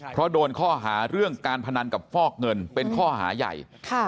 เพราะโดนข้อหาเรื่องการพนันกับฟอกเงินเป็นข้อหาใหญ่